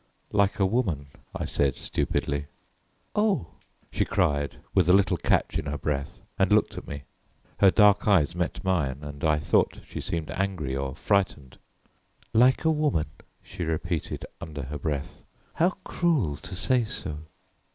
"Like a woman," I said stupidly. "Oh," she cried with a little catch in her breath, and looked at me. Her dark eyes met mine, and I thought she seemed angry or frightened. "Like a woman," she repeated under her breath, "How cruel to say so!"